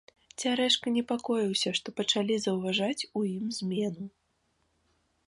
Цярэшка непакоіўся, што пачалі заўважаць у ім змену.